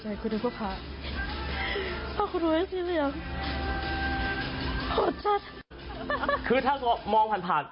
ใจคุณดูพระ